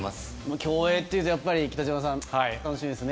競泳というとやっぱり北島さん楽しみですね。